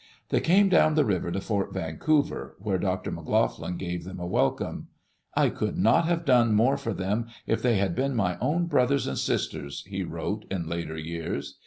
They came down the river to Fort Vancouver where Dr. McLoughlin gave them a welcome. I could not have done more for them if they had been my own brothers and sisters, he wrote in later years.